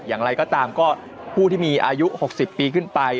อย่างไรก็ตามก็ผู้ที่มีอายุ๖๐ปีขึ้นไป